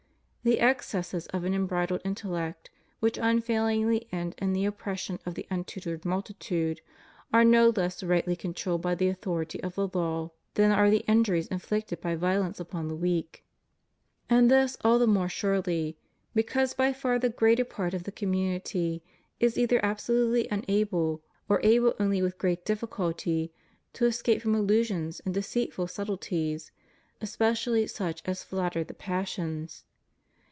The excesses of an unbridled intellect, which unfailingly end in the oppres sion of the untutored multitude, are no less rightly con trolled by the authority of the law than are the injuries inflicted by violence upon the weak. And this all the more surely, because by far the greater part of the com munity is either absolutely unable, or able only with great difficulty, to escape from illusions and deceitful subtleties, especially such as flatter the passions.